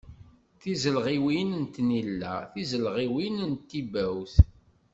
Tizelɣiwin n tnilla, tizelɣiwin n tibawt.